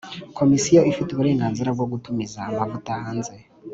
Komisiyo ifite uburenganzira bwo gutumiza amavuta hanze